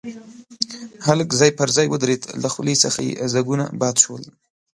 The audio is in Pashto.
هلک ځای پر ځای ودرېد، له خولې څخه يې ځګونه باد شول.